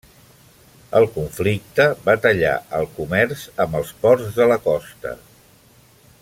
El conflicte va tallar el comerç amb els ports de la costa.